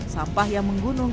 sampah yang menggunungkan